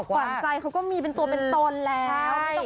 หวานใจเขาก็มีเป็นตัวเป็นตนแล้ว